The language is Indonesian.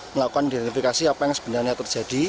melakukan identifikasi apa yang sebenarnya terjadi